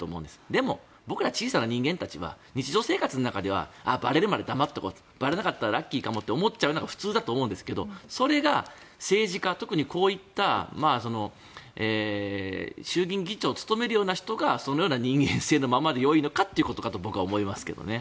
でも、僕ら小さな人間たちは日常生活の中ではばれるまで黙っておこうばれなかったらラッキーかもと思うのが普通だと思うんですがそれが政治家、特にこういった衆議院議長を務める人がそのような人間性のままでいいのかということを僕は思いますけどね。